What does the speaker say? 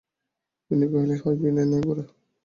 বিনয় কহিল, হয় বিনয়, নয় গোরা।